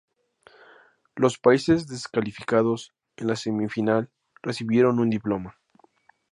Los países descalificados en la semifinal recibieron un diploma.